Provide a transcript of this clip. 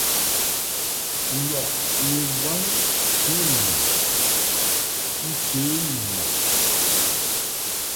Lɔʼ ni waŋ ŋkenmun nche ni mɔʼ.